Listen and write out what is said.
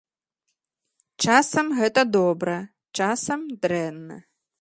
Часам гэта добра, часам дрэнна.